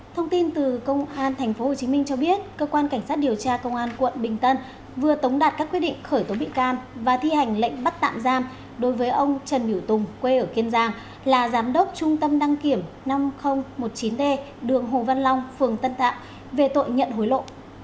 thông tin từ công an tp hcm cho biết cơ quan cảnh sát điều tra công an quận bình tân vừa tống đạt các quyết định khởi tố bị can và thi hành lệnh bắt tạm giam đối với ông trần biểu tùng quê ở kiên giang là giám đốc trung tâm đăng kiểm năm nghìn một mươi chín t đường hồ văn long phường tân tạng về tội nhận hối lộ